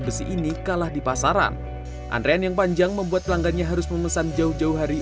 besi ini kalah di pasaran antrean yang panjang membuat pelanggannya harus memesan jauh jauh hari